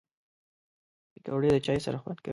پکورې د چای سره خوند کوي